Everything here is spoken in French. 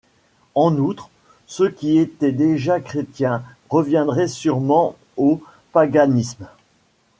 En outre, ceux qui étaient déjà chrétiens reviendraient sûrement au paganisme.